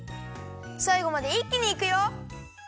さいごまでいっきにいくよ！